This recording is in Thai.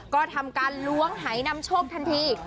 ก็ทำการล้วงหายนำโชคทันที